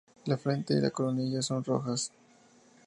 La frente y la coronilla son rojas.